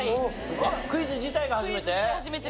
あっクイズ自体が初めて？